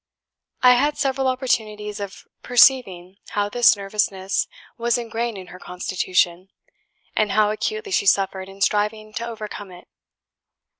I had several opportunities of perceiving how this nervousness was ingrained in her constitution, and how acutely she suffered in striving to overcome it.